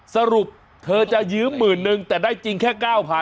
สรุปเธอจะยืม๑๐๐๐๐แต่ได้จริงแค่๙๐๐๐